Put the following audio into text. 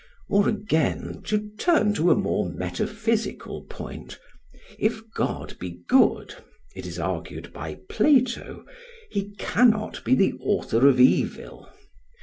Or again, to turn to a more metaphysical point, if God be good, it is argued by Plato, he cannot be the author of evil.